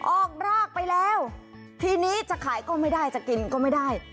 รากไปแล้วทีนี้จะขายก็ไม่ได้จะกินก็ไม่ได้